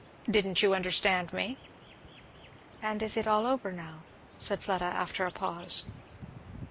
"Didn't you understand me?" "And is it all over now?" said Fleda after a pause.